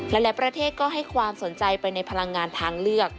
หลายประเทศก็ให้ความสนใจไปในพลังงานทางเลือก